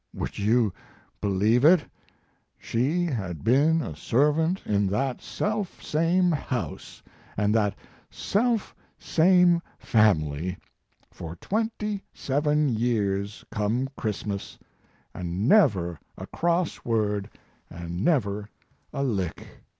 Would you believe it, she had been a servant in that self same house and that self same family for twenty seven years come Christmas, and never a cross word and never a lick!